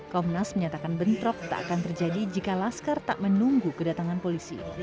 komnas menyatakan bentrok tak akan terjadi jika laskar tak menunggu kedatangan polisi